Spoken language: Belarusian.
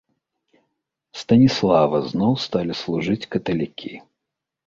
Станіслава зноў сталі служыць каталікі.